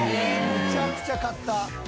めちゃくちゃ買った！